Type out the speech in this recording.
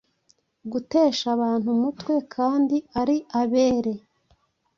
gutesha abantu umutwe kandi ari abere!